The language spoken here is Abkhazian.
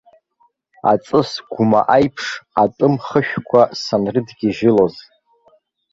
Аҵыс гәма аиԥш, атәым хышәқәа санрыдгьежьылоз.